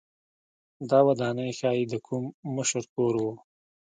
دا ودانۍ ښايي د کوم مشر کور و